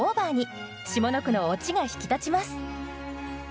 下の句のオチが引き立ちます。